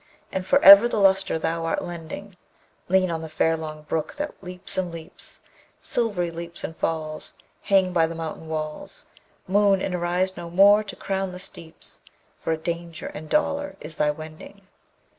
And for ever the lustre thou art lending Lean on the fair long brook that leaps and leaps, Silvery leaps and falls: Hang by the mountain walls, Moon! and arise no more to crown the steeps, For a danger and dolour is thy wending!